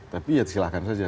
tapi ya silakan saja